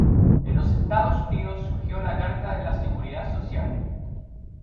En los Estados Unidos surgió la Carta de la Seguridad Social.